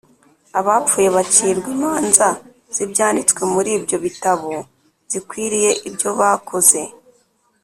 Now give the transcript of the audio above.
Abapfuye bacirwa imanza z’ibyanditswe muri ibyo bitabo zikwiriye ibyo bakoze.